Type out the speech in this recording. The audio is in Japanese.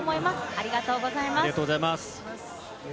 ありがとうございます。